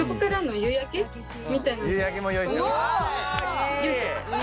夕焼けも用意して。